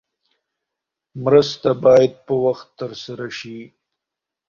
مرسته باید په وخت ترسره شي.